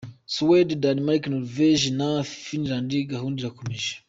Suede, Danemark, Norvege, na Finland gahunda irakomeje.